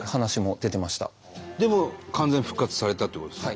でも完全復活されたってことですか？